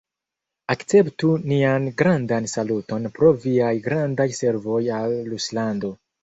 Akceptu nian grandan saluton pro viaj grandaj servoj al Ruslando!